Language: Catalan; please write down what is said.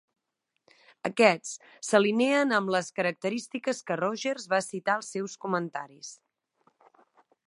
Aquest s'alineen amb les característiques que Rogers va citar als seus comentaris.